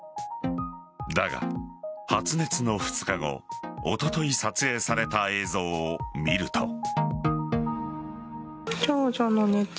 だが、発熱の２日後おととい撮影された映像を見ると。